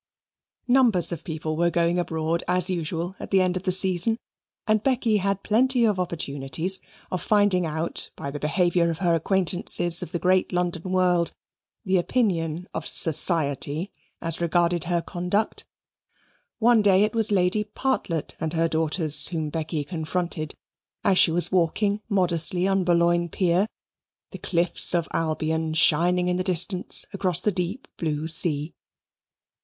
Numbers of people were going abroad as usual at the end of the season, and Becky had plenty of opportunities of finding out by the behaviour of her acquaintances of the great London world the opinion of "society" as regarded her conduct. One day it was Lady Partlet and her daughters whom Becky confronted as she was walking modestly on Boulogne pier, the cliffs of Albion shining in the distance across the deep blue sea.